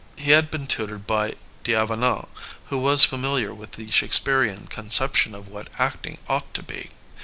He had been tutored by D'Avenant, who was familiar with the Shake spearean conception of what acting ought to be.